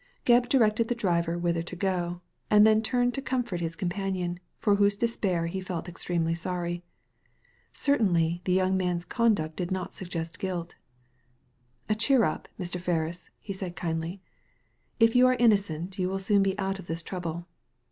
Gebb directed the driver whither to go, and then turned to comfort his companion, for whose despair he felt extremely sorry. Certainly, the young man's conduct did not suggest guilt " Cheer up^ Mr. Ferris," he said kindly ;" if you are innocent you will soon be out of this trouble."